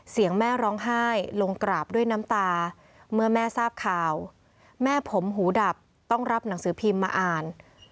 แม่ร้องไห้ลงกราบด้วยน้ำตาเมื่อแม่ทราบข่าวแม่ผมหูดับต้องรับหนังสือพิมพ์มาอ่าน